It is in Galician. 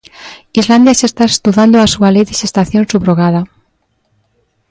Islandia xa está estudando a súa lei de xestación subrogada.